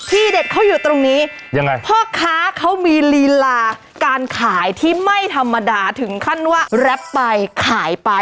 เด็ดเขาอยู่ตรงนี้ยังไงพ่อค้าเขามีลีลาการขายที่ไม่ธรรมดาถึงขั้นว่าแรปไปขายไป